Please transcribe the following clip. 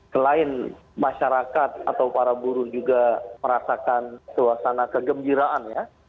selain masyarakat atau para buruh juga merasakan suasana kegembiraan ya